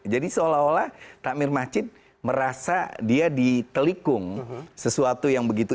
jadi seolah olah takmir masjid merasa dia ditelikung sesuatu yang begitu indah awalnya tiba tiba di tengah jalan ada orang yang memanfaatkan